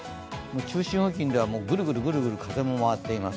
中心付近ではぐるぐる風も回っています。